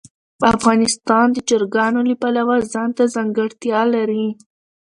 افغانستان د چرګانو له پلوه ځانته ځانګړتیا لري.